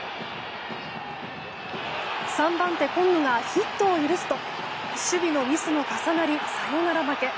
３番手、今野がヒットを許すと守備のミスも重なりサヨナラ負け。